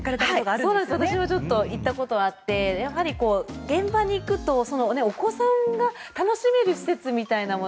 札幌競馬場にちょっと行ったことあってやはり現場に行くとお子さんが楽しめる施設みたいなもの。